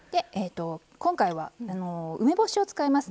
今回は梅干しを使います。